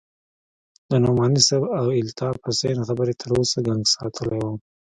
د نعماني صاحب او الطاف حسين خبرې تر اوسه گنگس ساتلى وم.